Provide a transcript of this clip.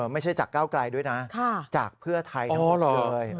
ไม่ใช่จากเก้าไกลด้วยนะจากเพื่อไทยหมดเลย